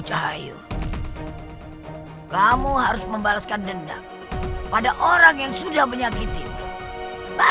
telah meneluh istri dan juga dukun yang telah menolongnya